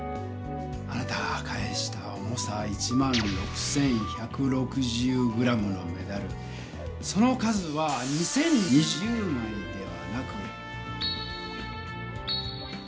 あなたが返した重さ１６１６０ｇのメダルその数は２０２０枚ではなく。